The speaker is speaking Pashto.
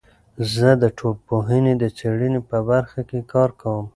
زه د ټولنپوهنې د څیړنې په برخه کې کار کوم.